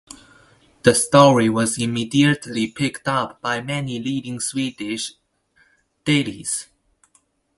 The story was immediately picked up by many leading Swedish dailies.